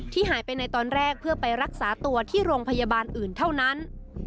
หายไปในตอนแรกเพื่อไปรักษาตัวที่โรงพยาบาลอื่นเท่านั้น